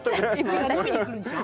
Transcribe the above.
飲みに来るんでしょう？